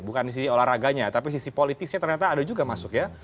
bukan di sisi olahraganya tapi sisi politisnya ternyata ada juga masuk ya